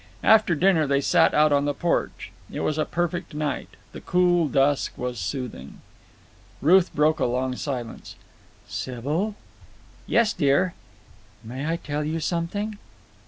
After dinner they sat out on the porch. It was a perfect night. The cool dusk was soothing. Ruth broke a long silence. "Sybil!" "Yes, dear?" "May I tell you something?"